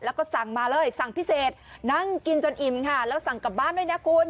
แล้วก็สั่งมาเลยสั่งพิเศษนั่งกินจนอิ่มค่ะแล้วสั่งกลับบ้านด้วยนะคุณ